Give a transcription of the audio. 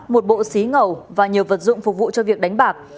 một bộ xí ngầu và nhiều vật dụng phục vụ cho việc đánh bạc